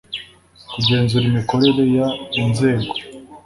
kugenzura imikorere y inzego